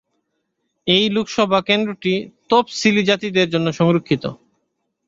এই লোকসভা কেন্দ্রটি তফসিলি জাতিদের জন্য সংরক্ষিত।